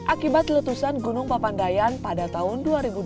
akibat letusan gunung papandayan pada tahun dua ribu dua belas